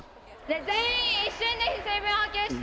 全員、一瞬で水分補給して。